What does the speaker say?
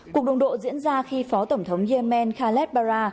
cuộc đụng độ diễn ra khi phó tổng thống yemen khaled bara